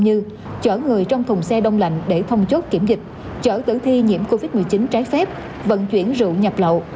như chở người trong thùng xe đông lạnh để thông chốt kiểm dịch chở tử thi nhiễm covid một mươi chín trái phép vận chuyển rượu nhập lậu